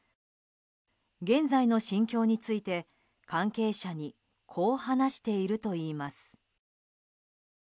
現在の心境について、関係者にこう話しているといいます。